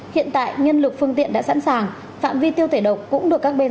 hiện tại nhân lực phương tiện đã sẵn sàng phạm vi tiêu tẩy độc cũng được các bên